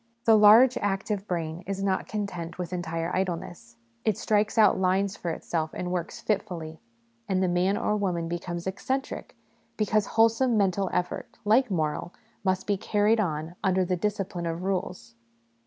The large active brain is not content with entire idleness; it strikes out lines for itself and works fitfully, and the man or woman becomes eccentric, because wholesome mental effort, like moral, must be carried on under the 22 HOME EDUCATION discipline of rules.